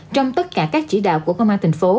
trong tất cả các chỉ đạo của công an thành phố